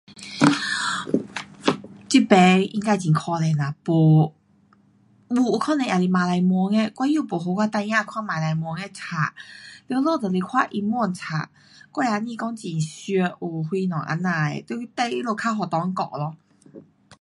这边应该很可怜啦，没，有可怜的就是马来文，我又没给我的孩儿看马来文的书。全部都看英文书，我也不讲很熟有什么这样的。得去等他们被学校教咯。